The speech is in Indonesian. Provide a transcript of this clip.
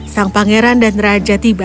sang pangeran dan raja tiba